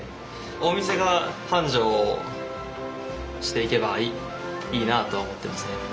お店が繁盛していけばいいなとは思ってますね。